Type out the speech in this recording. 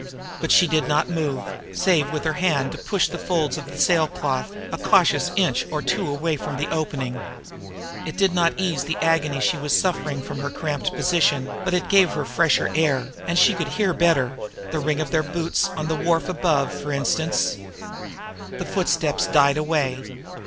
But she did not move save with her hand to push the folds of sailcloth a cautious inch or two away from the opening. It did not ease the agony she was suffering from her cramped position, but it gave her fresher air, and she could hear better the ring of their boot heels on the wharf above, for instance. The footsteps died away.